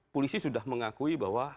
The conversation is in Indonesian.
polisi sudah mengakui bahwa